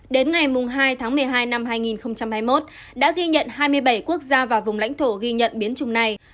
đến ngày hai tháng một mươi hai năm hai nghìn hai mươi một đã ghi nhận hai mươi bảy quốc gia và vùng lãnh thổ ghi nhận biến chung này